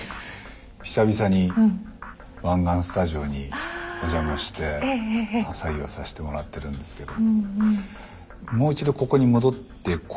久々に湾岸スタジオにお邪魔して作業をさせてもらってるんですけど。